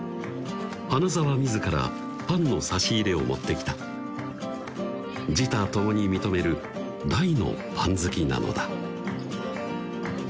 花澤自らパンの差し入れを持ってきた自他ともに認める大のパン好きなのだ